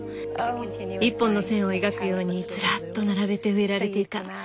一本の線を描くようにずらっと並べて植えられていた。